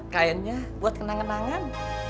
kainnya buat kenangan kenangan